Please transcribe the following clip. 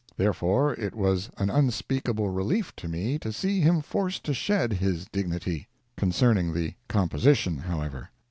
Therefore, it was an unspeakable relief to me to see him forced to shed his dignity. Concerning the composition, however.